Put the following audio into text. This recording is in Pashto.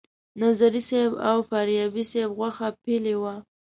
نظري صیب او فاریابي صیب غوښه پیلې وه.